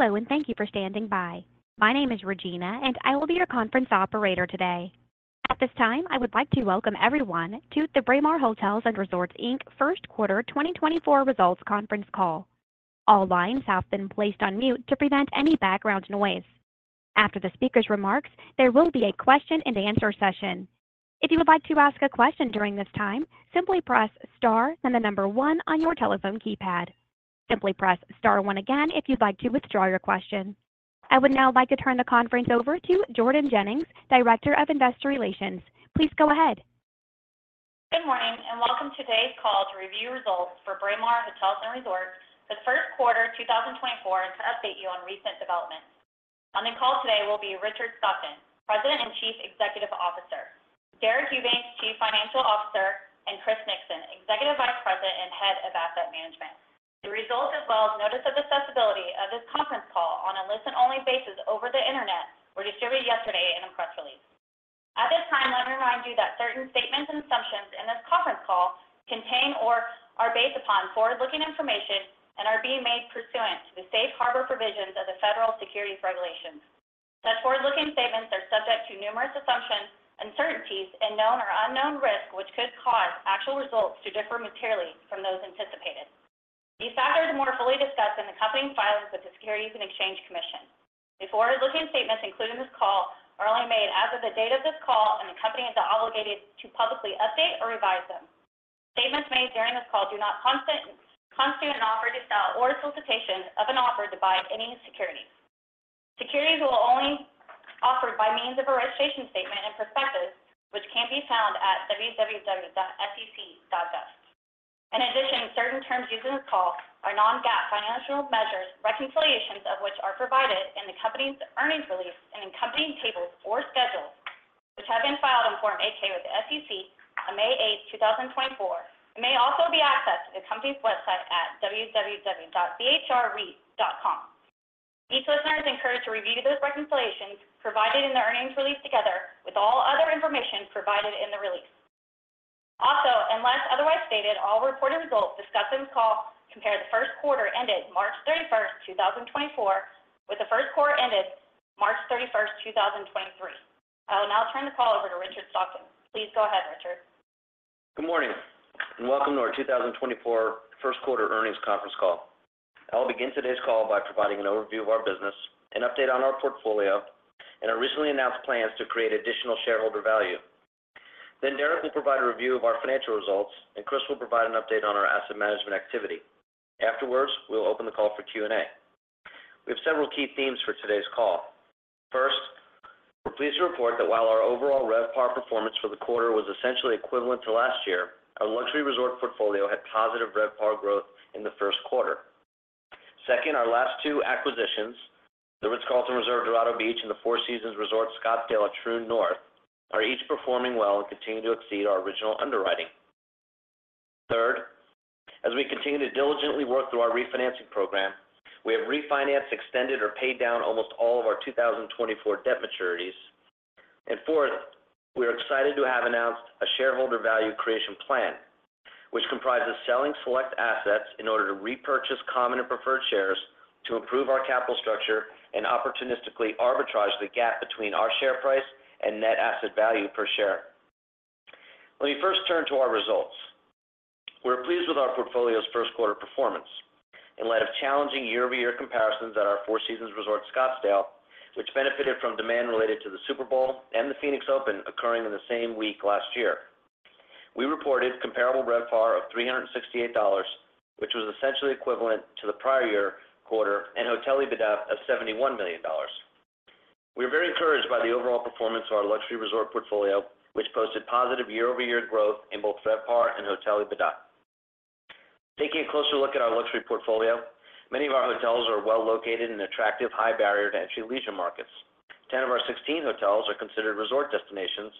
Hello and thank you for standing by. My name is Regina, and I will be your conference operator today. At this time, I would like to welcome everyone to the Braemar Hotels & Resorts Inc. Q1 2024 results conference call. All lines have been placed on mute to prevent any background noise. After the speaker's remarks, there will be a question-and-answer session. If you would like to ask a question during this time, simply press * then the number 1 on your telephone keypad. Simply press star 1 again if you'd like to withdraw your question. I would now like to turn the conference over to Jordan Jennings, Director of Investor Relations. Please go ahead. Good morning and welcome to today's call to review results for Braemar Hotels & Resorts for the Q1 2024 and to update you on recent developments. On the call today will be Richard Stockton, President and Chief Executive Officer, Deric Eubanks, Chief Financial Officer, and Chris Nixon, Executive Vice President and Head of Asset Management. The results, as well as notice of accessibility of this conference call on a listen-only basis over the internet, were distributed yesterday in a press release. At this time, let me remind you that certain statements and assumptions in this conference call contain or are based upon forward-looking information and are being made pursuant to the safe harbor provisions of the federal securities regulations. Such forward-looking statements are subject to numerous assumptions, uncertainties, and known or unknown risks which could cause actual results to differ materially from those anticipated. These factors are more fully discussed in the company's filings with the Securities and Exchange Commission. The forward-looking statements included in this call are only made as of the date of this call, and the company is obligated to publicly update or revise them. Statements made during this call do not constitute an offer to sell or a solicitation of an offer to buy any securities. Securities will only be offered by means of a registration statement and prospectus, which can be found at www.sec.gov. In addition, certain terms used in this call are non-GAAP financial measures reconciliations of which are provided in the company's earnings release and in company tables or schedules, which have been filed on Form 8-K with the SEC on May 8, 2024, and may also be accessed through the company's website at www.bhr.com. Each listener is encouraged to review those reconciliations provided in the earnings release together with all other information provided in the release. Also, unless otherwise stated, all reported results discussed in this call compare the Q1 ended March 31, 2024, with the Q1 ended March 31, 2023. I will now turn the call over to Richard Stockton. Please go ahead, Richard. Good morning and welcome to our 2024 Q1 earnings conference call. I will begin today's call by providing an overview of our business, an update on our portfolio, and our recently announced plans to create additional shareholder value. Then Deric will provide a review of our financial results, and Chris will provide an update on our asset management activity. Afterwards, we will open the call for Q&A. We have several key themes for today's call. First, we're pleased to report that while our overall RevPAR performance for the quarter was essentially equivalent to last year, our luxury resort portfolio had positive RevPAR growth in the Q1. Second, our last two acquisitions, the Ritz-Carlton Reserve Dorado Beach and the Four Seasons Resort Scottsdale at Troon North, are each performing well and continue to exceed our original underwriting. Third, as we continue to diligently work through our refinancing program, we have refinanced, extended, or paid down almost all of our 2024 debt maturities. Fourth, we are excited to have announced a shareholder value creation plan, which comprises selling select assets in order to repurchase common and preferred shares to improve our capital structure and opportunistically arbitrage the gap between our share price and net asset value per share. Let me first turn to our results. We are pleased with our portfolio's Q1 performance in light of challenging year-over-year comparisons at our Four Seasons Resort Scottsdale, which benefited from demand related to the Super Bowl and the Phoenix Open occurring in the same week last year. We reported comparable RevPAR of $368, which was essentially equivalent to the prior year quarter, and Hotel EBITDA of $71 million. We are very encouraged by the overall performance of our luxury resort portfolio, which posted positive year-over-year growth in both RevPAR and Hotel EBITDA. Taking a closer look at our luxury portfolio, many of our hotels are well-located in attractive high-barrier-to-entry leisure markets. 10 of our 16 hotels are considered resort destinations,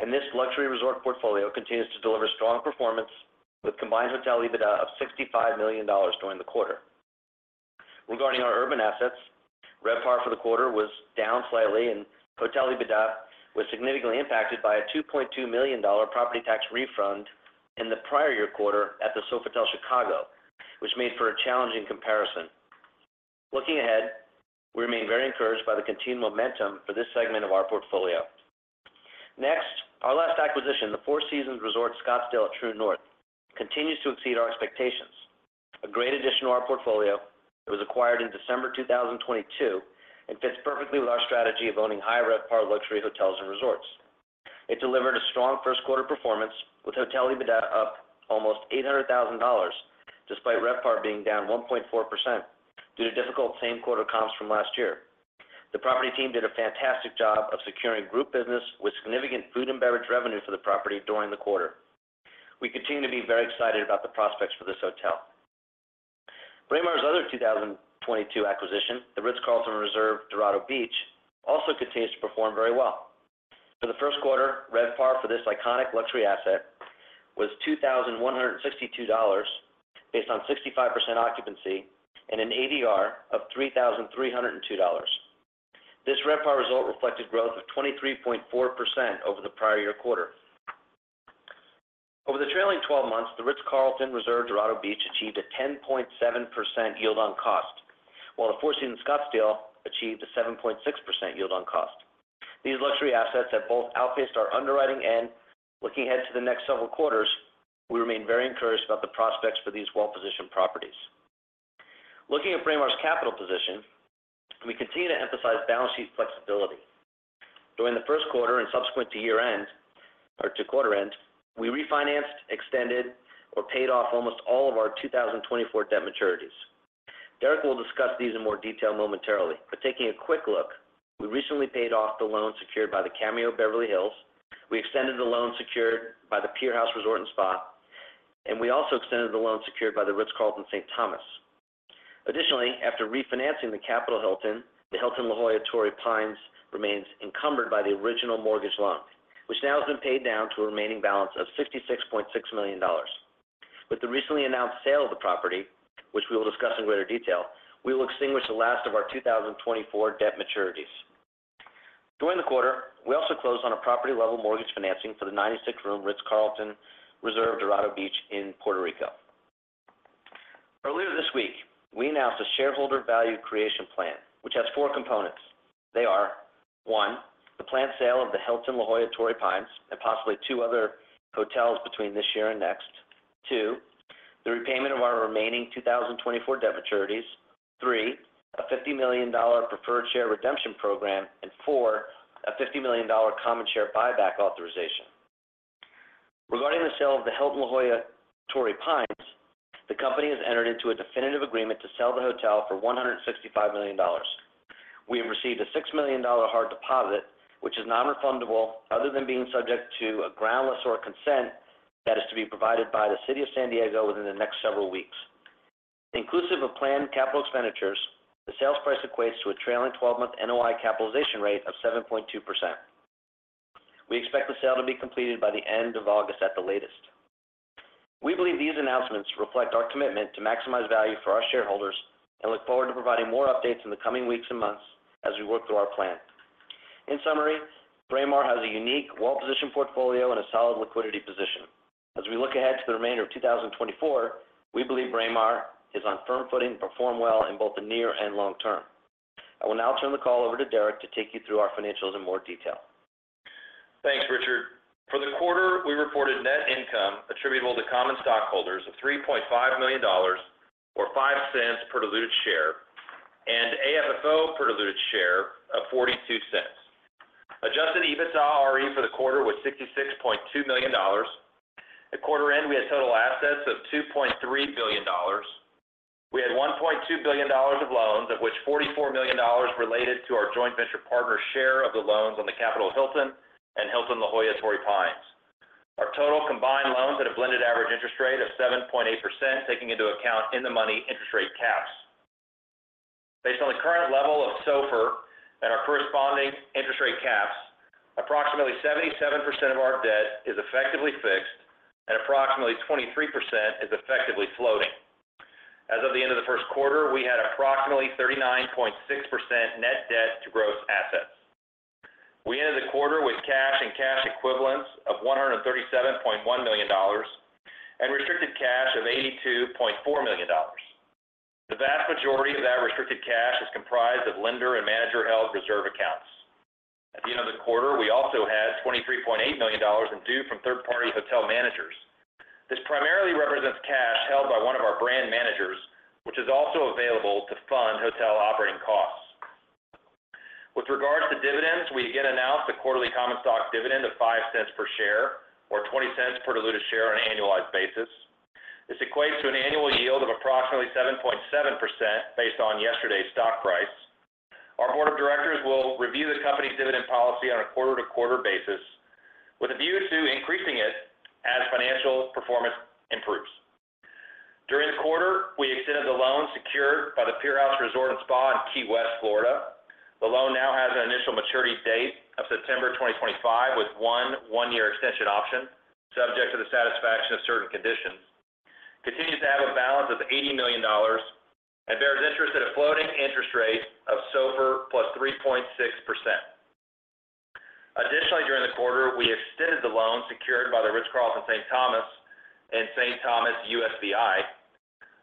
and this luxury resort portfolio continues to deliver strong performance with combined Hotel EBITDA of $65 million during the quarter. Regarding our urban assets, RevPAR for the quarter was down slightly, and Hotel EBITDA was significantly impacted by a $2.2 million property tax refund in the prior year quarter at the Sofitel Chicago, which made for a challenging comparison. Looking ahead, we remain very encouraged by the continued momentum for this segment of our portfolio. Next, our last acquisition, the Four Seasons Resort Scottsdale at Troon North, continues to exceed our expectations. A great addition to our portfolio, it was acquired in December 2022 and fits perfectly with our strategy of owning high-RevPAR luxury hotels and resorts. It delivered a strong Q1 performance with Hotel EBITDA up almost $800,000 despite RevPAR being down 1.4% due to difficult same-quarter comps from last year. The property team did a fantastic job of securing group business with significant food and beverage revenue for the property during the quarter. We continue to be very excited about the prospects for this hotel. Braemar's other 2022 acquisition, the Ritz-Carlton Reserve Dorado Beach, also continues to perform very well. For the Q1, RevPAR for this iconic luxury asset was $2,162 based on 65% occupancy and an ADR of $3,302. This RevPAR result reflected growth of 23.4% over the prior year quarter. Over the trailing 12 months, the Dorado Beach, a Ritz-Carlton Reserve achieved a 10.7% yield on cost, while the Four Seasons Scottsdale achieved a 7.6% yield on cost. These luxury assets have both outpaced our underwriting and, looking ahead to the next several quarters, we remain very encouraged about the prospects for these well-positioned properties. Looking at Braemar's capital position, we continue to emphasize balance sheet flexibility. During the Q1 and subsequent to year-end or to quarter-end, we refinanced, extended, or paid off almost all of our 2024 debt maturities. Deric will discuss these in more detail momentarily, but taking a quick look, we recently paid off the loan secured by the Cameo Beverly Hills, we extended the loan secured by the Pier House Resort & Spa, and we also extended the loan secured by the Ritz-Carlton, St. Thomas. Additionally, after refinancing The Capital Hilton, the Hilton La Jolla Torrey Pines remains encumbered by the original mortgage loan, which now has been paid down to a remaining balance of $66.6 million. With the recently announced sale of the property, which we will discuss in greater detail, we will extinguish the last of our 2024 debt maturities. During the quarter, we also closed on a property-level mortgage financing for the 96-room Ritz-Carlton Reserve Dorado Beach in Puerto Rico. Earlier this week, we announced a shareholder value creation plan, which has four components. They are: one, the planned sale of the Hilton La Jolla Torrey Pines and possibly two other hotels between this year and next; two, the repayment of our remaining 2024 debt maturities; three, a $50 million preferred share redemption program; and four, a $50 million common share buyback authorization. Regarding the sale of the Hilton La Jolla Torrey Pines, the company has entered into a definitive agreement to sell the hotel for $165 million. We have received a $6 million hard deposit, which is non-refundable other than being subject to a ground lease sort of consent that is to be provided by the City of San Diego within the next several weeks. Inclusive of planned capital expenditures, the sales price equates to a trailing 12-month NOI capitalization rate of 7.2%. We expect the sale to be completed by the end of August at the latest. We believe these announcements reflect our commitment to maximize value for our shareholders and look forward to providing more updates in the coming weeks and months as we work through our plan. In summary, Braemar has a unique, well-positioned portfolio and a solid liquidity position. As we look ahead to the remainder of 2024, we believe Braemar is on firm footing to perform well in both the near and long term. I will now turn the call over to Deric to take you through our financials in more detail. Thanks, Richard. For the quarter, we reported net income attributable to common stockholders of $3.5 million or 5 cents per diluted share and AFFO per diluted share of 42 cents. Adjusted EBITDAre for the quarter was $66.2 million. At quarter-end, we had total assets of $2.3 billion. We had $1.2 billion of loans, of which $44 million related to our joint venture partner share of the loans on the Capital Hilton and Hilton La Jolla Torrey Pines. Our total combined loans had a blended average interest rate of 7.8%, taking into account in-the-money interest rate caps. Based on the current level of SOFR and our corresponding interest rate caps, approximately 77% of our debt is effectively fixed and approximately 23% is effectively floating. As of the end of the Q1, we had approximately 39.6% net debt to gross assets. We ended the quarter with cash and cash equivalents of $137.1 million and restricted cash of $82.4 million. The vast majority of that restricted cash is comprised of lender and manager-held reserve accounts. At the end of the quarter, we also had $23.8 million in due from third-party hotel managers. This primarily represents cash held by one of our brand managers, which is also available to fund hotel operating costs. With regards to dividends, we again announced a quarterly common stock dividend of 5 cents per share or 20 cents per diluted share on an annualized basis. This equates to an annual yield of approximately 7.7% based on yesterday's stock price. Our board of directors will review the company's dividend policy on a quarter-to-quarter basis with a view to increasing it as financial performance improves. During the quarter, we extended the loan secured by the Pier House Resort & Spa in Key West, Florida. The loan now has an initial maturity date of September 2025 with one 1-year extension option subject to the satisfaction of certain conditions. It continues to have a balance of $80 million and bears interest at a floating interest rate of SOFR plus 3.6%. Additionally, during the quarter, we extended the loan secured by the Ritz-Carlton St. Thomas and St. Thomas USVI.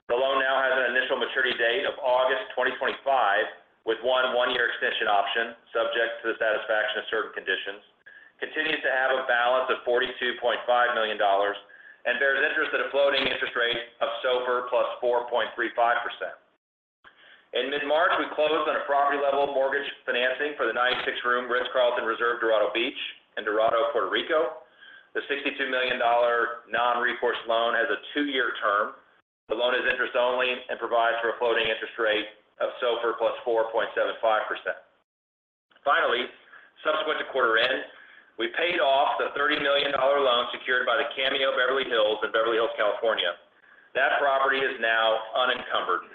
The loan now has an initial maturity date of August 2025 with one 1-year extension option subject to the satisfaction of certain conditions. It continues to have a balance of $42.5 million and bears interest at a floating interest rate of SOFR plus 4.35%. In mid-March, we closed on a property-level mortgage financing for the 96-room Ritz-Carlton Reserve Dorado Beach in Dorado, Puerto Rico. The $62 million non-recourse loan has a two-year term. The loan is interest-only and provides for a floating interest rate of SOFR plus 4.75%. Finally, subsequent to quarter-end, we paid off the $30 million loan secured by the Cameo Beverly Hills in Beverly Hills, California. That property is now unencumbered.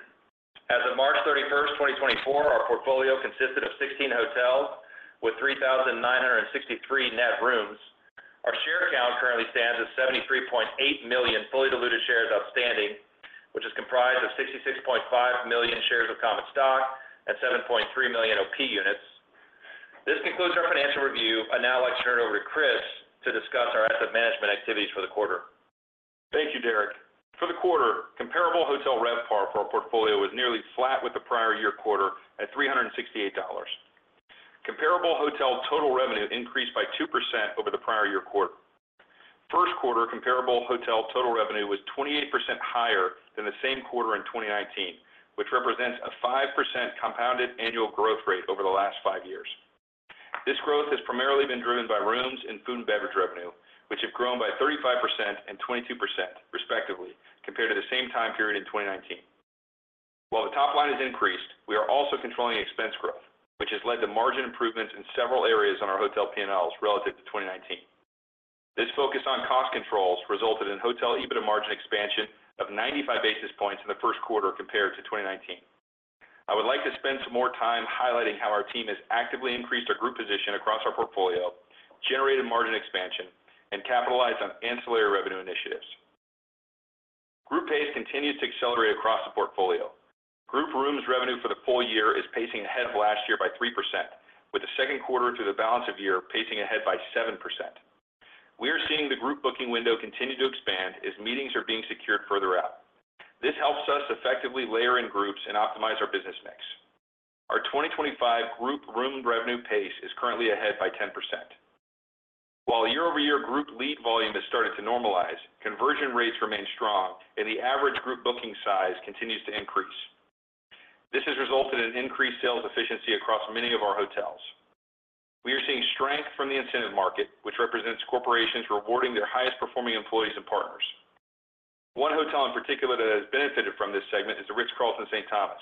As of March 31, 2024, our portfolio consisted of 16 hotels with 3,963 net rooms. Our share count currently stands at 73.8 million fully diluted shares outstanding, which is comprised of 66.5 million shares of common stock and 7.3 million OP units. This concludes our financial review. I now like to turn it over to Chris to discuss our asset management activities for the quarter. Thank you, Deric. For the quarter, comparable hotel RevPAR for our portfolio was nearly flat with the prior year quarter at $368. Comparable hotel total revenue increased by 2% over the prior year quarter. Q1, comparable hotel total revenue was 28% higher than the same quarter in 2019, which represents a 5% compounded annual growth rate over the last five years. This growth has primarily been driven by rooms and food and beverage revenue, which have grown by 35% and 22%, respectively, compared to the same time period in 2019. While the top line is increased, we are also controlling expense growth, which has led to margin improvements in several areas on our hotel P&Ls relative to 2019. This focus on cost controls resulted in hotel EBITDA margin expansion of 95 basis points in the Q1 compared to 2019. I would like to spend some more time highlighting how our team has actively increased our group position across our portfolio, generated margin expansion, and capitalized on ancillary revenue initiatives. Group pace continues to accelerate across the portfolio. Group rooms revenue for the full year is pacing ahead of last year by 3%, with the Q2 through the balance of year pacing ahead by 7%. We are seeing the group booking window continue to expand as meetings are being secured further out. This helps us effectively layer in groups and optimize our business mix. Our 2025 group room revenue pace is currently ahead by 10%. While year-over-year group lead volume has started to normalize, conversion rates remain strong, and the average group booking size continues to increase. This has resulted in increased sales efficiency across many of our hotels. We are seeing strength from the incentive market, which represents corporations rewarding their highest-performing employees and partners. One hotel in particular that has benefited from this segment is The Ritz-Carlton, St. Thomas,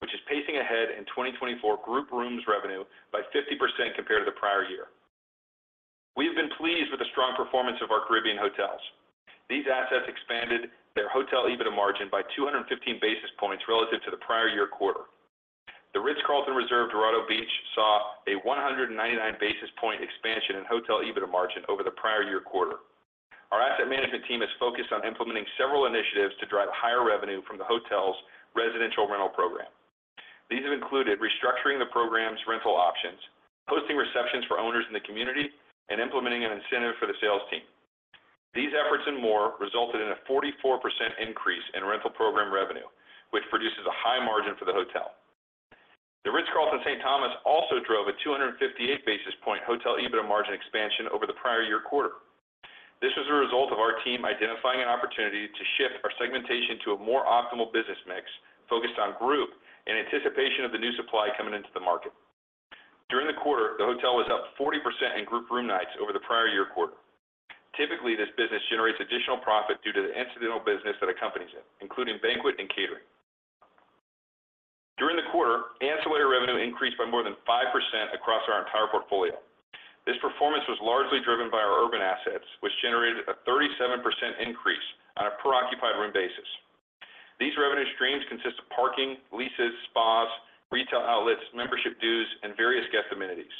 which is pacing ahead in 2024 group rooms revenue by 50% compared to the prior year. We have been pleased with the strong performance of our Caribbean hotels. These assets expanded their hotel EBITDA margin by 215 basis points relative to the prior year quarter. Dorado Beach, a Ritz-Carlton Reserve, saw a 199 basis point expansion in hotel EBITDA margin over the prior year quarter. Our asset management team has focused on implementing several initiatives to drive higher revenue from the hotel's residential rental program. These have included restructuring the program's rental options, hosting receptions for owners in the community, and implementing an incentive for the sales team. These efforts and more resulted in a 44% increase in rental program revenue, which produces a high margin for the hotel. The Ritz-Carlton, St. Thomas also drove a 258 basis point Hotel EBITDA margin expansion over the prior year quarter. This was a result of our team identifying an opportunity to shift our segmentation to a more optimal business mix focused on group in anticipation of the new supply coming into the market. During the quarter, the hotel was up 40% in group room nights over the prior year quarter. Typically, this business generates additional profit due to the incidental business that accompanies it, including banquet and catering. During the quarter, ancillary revenue increased by more than 5% across our entire portfolio. This performance was largely driven by our urban assets, which generated a 37% increase on a per-occupied room basis. These revenue streams consist of parking, leases, spas, retail outlets, membership dues, and various guest amenities.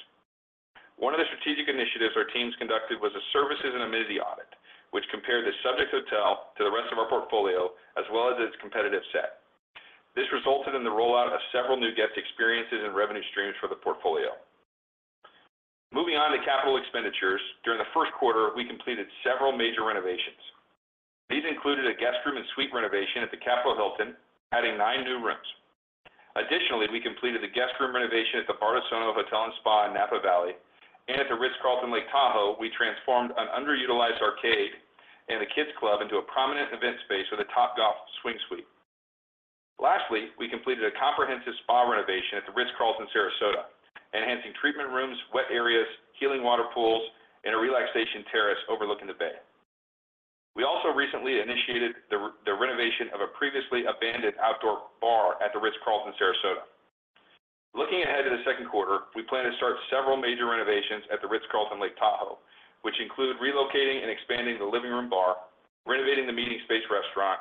One of the strategic initiatives our team has conducted was a services and amenity audit, which compared the subject hotel to the rest of our portfolio as well as its competitive set. This resulted in the rollout of several new guest experiences and revenue streams for the portfolio. Moving on to capital expenditures, during the Q1, we completed several major renovations. These included a guest room and suite renovation at the Capital Hilton, adding nine new rooms. Additionally, we completed the guest room renovation at the Bardessono Hotel & Spa in Napa Valley, and at the Ritz-Carlton, Lake Tahoe, we transformed an underutilized arcade and the kids' club into a prominent event space with a Topgolf Swing Suite. Lastly, we completed a comprehensive spa renovation at the Ritz-Carlton, Sarasota, enhancing treatment rooms, wet areas, healing water pools, and a relaxation terrace overlooking the bay. We also recently initiated the renovation of a previously abandoned outdoor bar at the Ritz-Carlton, Sarasota. Looking ahead to the Q2, we plan to start several major renovations at the Ritz-Carlton Lake Tahoe, which include relocating and expanding the living room bar, renovating the meeting space restaurant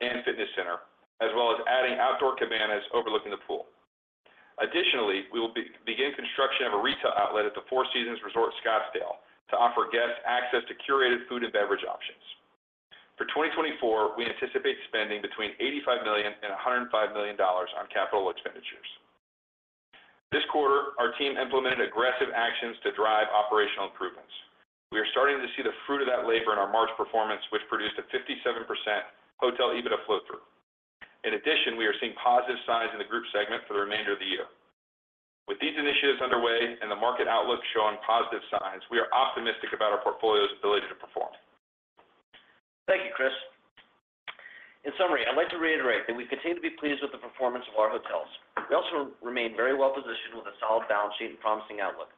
and fitness center, as well as adding outdoor cabanas overlooking the pool. Additionally, we will begin construction of a retail outlet at the Four Seasons Resort Scottsdale to offer guests access to curated food and beverage options. For 2024, we anticipate spending between $85 million-$105 million on capital expenditures. This quarter, our team implemented aggressive actions to drive operational improvements. We are starting to see the fruit of that labor in our March performance, which produced a 57% Hotel EBITDA flow-through. In addition, we are seeing positive signs in the group segment for the remainder of the year. With these initiatives underway and the market outlook showing positive signs, we are optimistic about our portfolio's ability to perform. Thank you, Chris. In summary, I'd like to reiterate that we continue to be pleased with the performance of our hotels. We also remain very well-positioned with a solid balance sheet and promising outlook.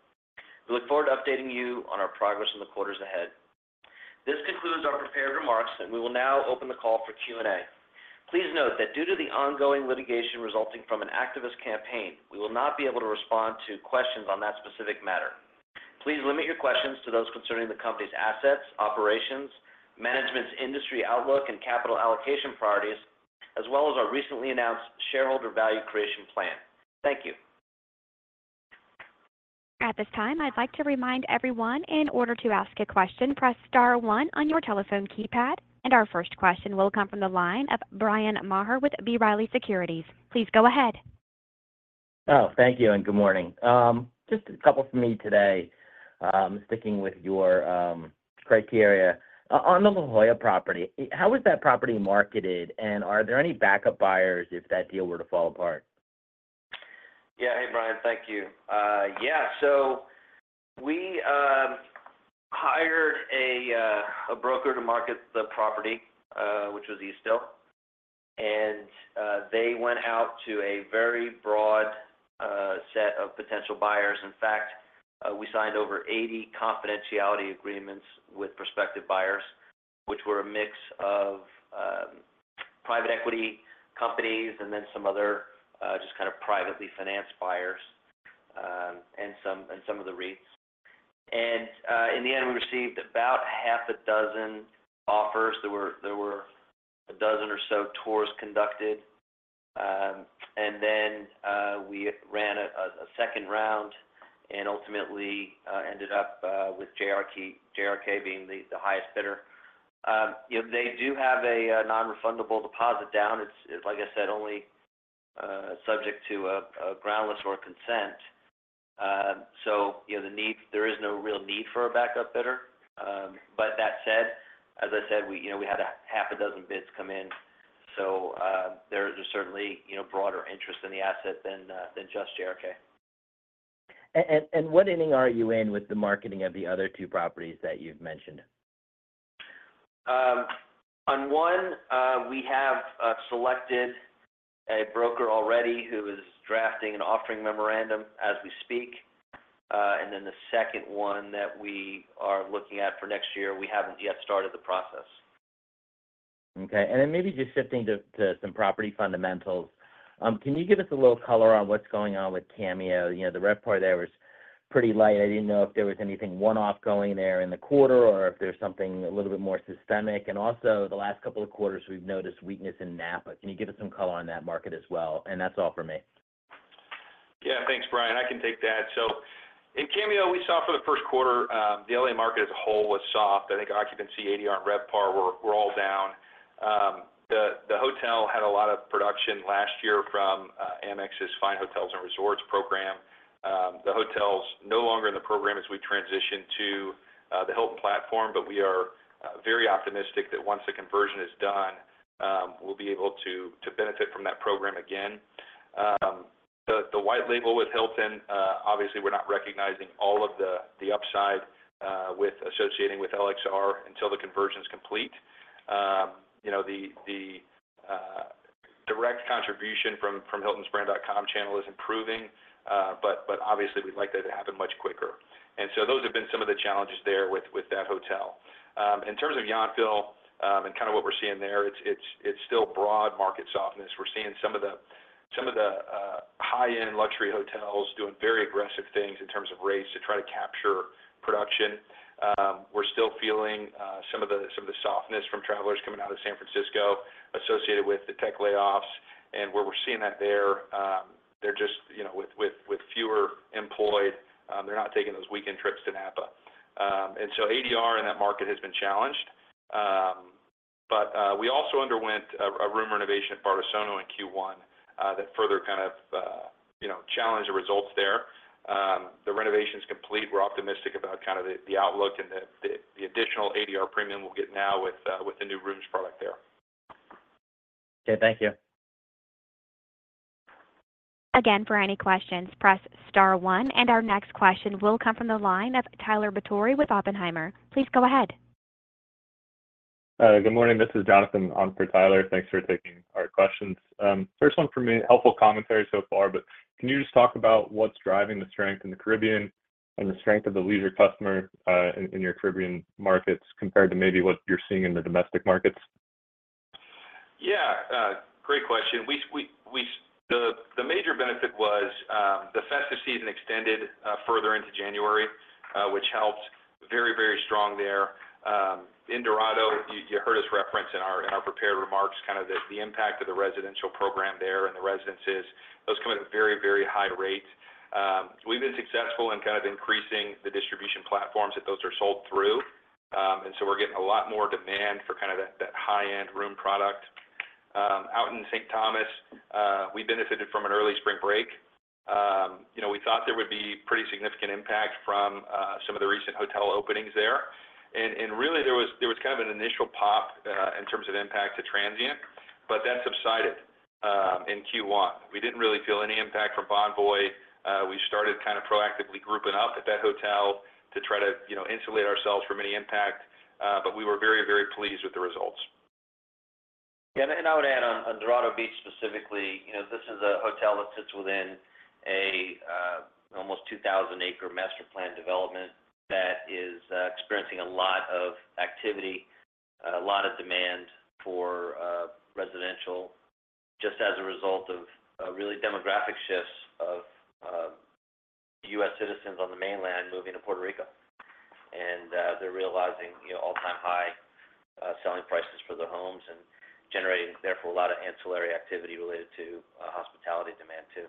We look forward to updating you on our progress in the quarters ahead. This concludes our prepared remarks, and we will now open the call for Q&A. Please note that due to the ongoing litigation resulting from an activist campaign, we will not be able to respond to questions on that specific matter. Please limit your questions to those concerning the company's assets, operations, management's industry outlook, and capital allocation priorities, as well as our recently announced shareholder value creation plan. Thank you. At this time, I'd like to remind everyone, in order to ask a question, press star one on your telephone keypad, and our first question will come from the line of Bryan Maher with B. Riley Securities. Please go ahead. Oh, thank you and good morning. Just a couple for me today, sticking with your criteria. On the La Jolla property, how is that property marketed, and are there any backup buyers if that deal were to fall apart? Yeah. Hey, Brian. Thank you. Yeah. So we hired a broker to market the property, which was Eastdil, and they went out to a very broad set of potential buyers. In fact, we signed over 80 confidentiality agreements with prospective buyers, which were a mix of private equity companies and then some other just kind of privately financed buyers and some of the REITs. And in the end, we received about 6 offers. There were 12 or so tours conducted, and then we ran a second round and ultimately ended up with JRK being the highest bidder. They do have a non-refundable deposit down. It's, like I said, only subject to a ground lessor's consent. So there is no real need for a backup bidder. But that said, as I said, we had 6 bids come in. There's certainly broader interest in the asset than just JRK. What inning are you in with the marketing of the other two properties that you've mentioned? On one, we have selected a broker already who is drafting an offering memorandum as we speak. And then the second one that we are looking at for next year, we haven't yet started the process. Okay. And then maybe just shifting to some property fundamentals, can you give us a little color on what's going on with Cameo? The RevPAR there was pretty light. I didn't know if there was anything one-off going there in the quarter or if there's something a little bit more systemic. And also, the last couple of quarters, we've noticed weakness in Napa. Can you give us some color on that market as well? And that's all for me. Yeah. Thanks, Brian. I can take that. So in Cameo, we saw for the Q1, the L.A. market as a whole was soft. I think occupancy 80 on RevPAR, we're all down. The hotel had a lot of production last year from Amex's Fine Hotels & Resorts program. The hotel's no longer in the program as we transitioned to the Hilton platform, but we are very optimistic that once the conversion is done, we'll be able to benefit from that program again. The white label with Hilton, obviously, we're not recognizing all of the upside associated with LXR until the conversion's complete. The direct contribution from Hilton.com channel is improving, but obviously, we'd like that to happen much quicker. And so those have been some of the challenges there with that hotel. In terms of Yountville and kind of what we're seeing there, it's still broad market softness. We're seeing some of the high-end luxury hotels doing very aggressive things in terms of rates to try to capture production. We're still feeling some of the softness from travelers coming out of San Francisco associated with the tech layoffs. And where we're seeing that there, they're just with fewer employed. They're not taking those weekend trips to Napa. And so ADR in that market has been challenged. But we also underwent a room renovation at Bardessono in Q1 that further kind of challenged the results there. The renovation's complete. We're optimistic about kind of the outlook and the additional ADR premium we'll get now with the new rooms product there. Okay. Thank you. Again, for any questions, press star one. And our next question will come from the line of Tyler Batory with Oppenheimer. Please go ahead. Good morning. This is Jonathan Jenkins, Tyler. Thanks for taking our questions. First one for me, helpful commentary so far, but can you just talk about what's driving the strength in the Caribbean and the strength of the leisure customer in your Caribbean markets compared to maybe what you're seeing in the domestic markets? Yeah. Great question. The major benefit was the festive season extended further into January, which helped very, very strong there. In Dorado, you heard us reference in our prepared remarks kind of the impact of the residential program there and the residences. Those come at a very, very high rate. We've been successful in kind of increasing the distribution platforms that those are sold through. And so we're getting a lot more demand for kind of that high-end room product. Out in St. Thomas, we benefited from an early spring break. We thought there would be pretty significant impact from some of the recent hotel openings there. And really, there was kind of an initial pop in terms of impact to Transient, but that subsided in Q1. We didn't really feel any impact from Bonvoy. We started kind of proactively grouping up at that hotel to try to insulate ourselves from any impact, but we were very, very pleased with the results. Yeah. And I would add on Dorado Beach specifically, this is a hotel that sits within an almost 2,000-acre master plan development that is experiencing a lot of activity, a lot of demand for residential just as a result of really demographic shifts of U.S. citizens on the mainland moving to Puerto Rico. And they're realizing all-time high selling prices for their homes and generating, therefore, a lot of ancillary activity related to hospitality demand too.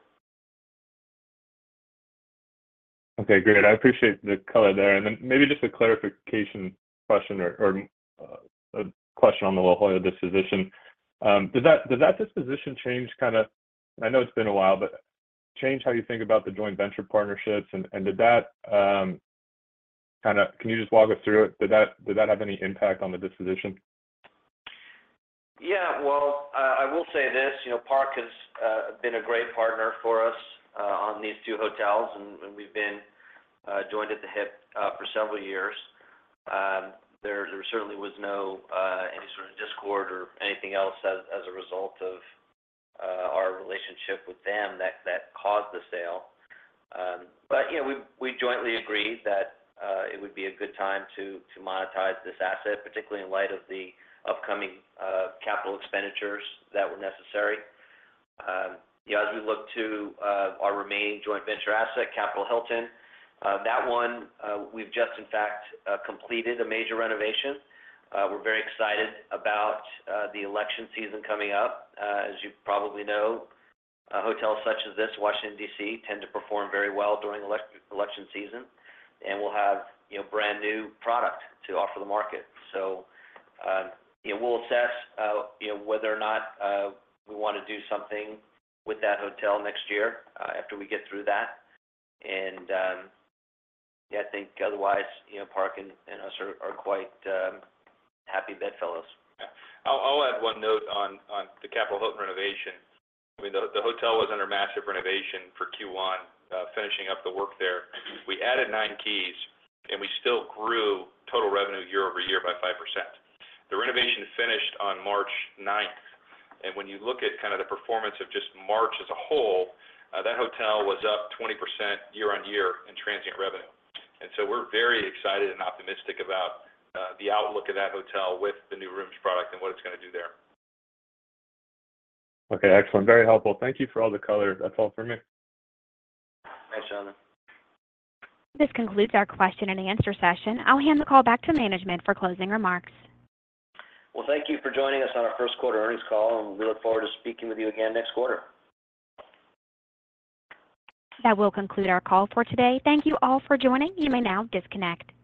Okay. Great. I appreciate the color there. And then maybe just a clarification question or a question on the La Jolla disposition. Does that disposition change kind of and I know it's been a while, but change how you think about the joint venture partnerships? And did that kind of can you just walk us through it? Did that have any impact on the disposition? Yeah. Well, I will say this. Park has been a great partner for us on these two hotels, and we've been joined at the hip for several years. There certainly was no any sort of discord or anything else as a result of our relationship with them that caused the sale. But we jointly agreed that it would be a good time to monetize this asset, particularly in light of the upcoming capital expenditures that were necessary. As we look to our remaining joint venture asset, Capital Hilton, that one, we've just, in fact, completed a major renovation. We're very excited about the election season coming up. As you probably know, hotels such as this, Washington, D.C., tend to perform very well during election season, and we'll have brand new product to offer the market. So we'll assess whether or not we want to do something with that hotel next year after we get through that. And yeah, I think otherwise, Park and us are quite happy bedfellows. Yeah. I'll add one note on the Capital Hilton renovation. I mean, the hotel was under massive renovation for Q1, finishing up the work there. We added 9 keys, and we still grew total revenue year-over-year by 5%. The renovation finished on March 9th. And when you look at kind of the performance of just March as a whole, that hotel was up 20% year-over-year in transient revenue. And so we're very excited and optimistic about the outlook of that hotel with the new rooms product and what it's going to do there. Okay. Excellent. Very helpful. Thank you for all the color. That's all for me. Thanks, Jonathan. This concludes our question and answer session. I'll hand the call back to management for closing remarks. Well, thank you for joining us on our Q1 earnings call, and we look forward to speaking with you again next quarter. That will conclude our call for today. Thank you all for joining. You may now disconnect.